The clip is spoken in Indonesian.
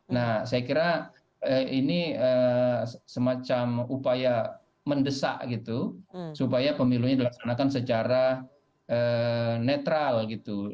nah saya kira ini semacam upaya mendesak gitu supaya pemilunya dilaksanakan secara netral gitu